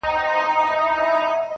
د لېوانو په څېر مخ په مخ ویدیږي!